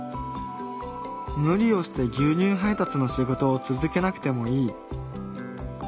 無理をして牛乳配達の仕事を続けなくてもいい。